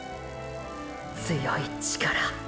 強い力！！